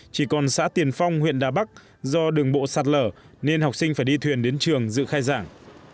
chỉ còn xã tiền phong huyện đà bắc do đường bộ sạt lở nên học sinh phải đi thuyền đến trường dự khai giảng